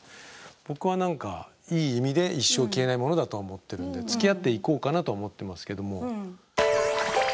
僕は何かいい意味で一生消えないものだと思ってるんでつきあっていこうかなと思ってますけども。